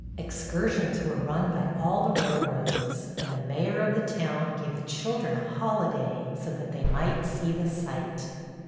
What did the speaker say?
Excursions were run by all the railroads, and the mayor of the town gave the children a holiday so that they might see the sight.